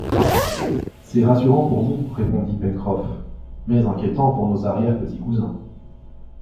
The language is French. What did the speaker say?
C’est rassurant pour nous, répondit Pencroff, mais inquiétant pour nos arrière-petits-cousins!